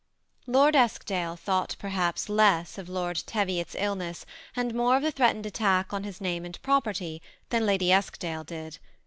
Lord Eskdale thought perhaps less of Lord Teviot's illness, and more of the threatened attack on his name and property, than Lady Eskdale did.